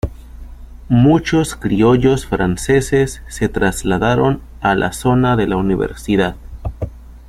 Muchos criollos franceses se trasladaron a la zona de la Universidad.